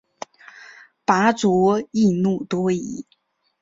拔灼易怒多疑。